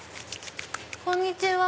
こんにちは。